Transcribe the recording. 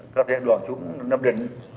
có thể đoàn xuống nam định